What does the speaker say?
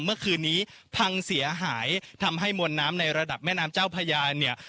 เมื่อคืนนี้พังเสียหายทำให้มวลน้ำในระดับแม่น้ำเจ้าพญาเนี่ย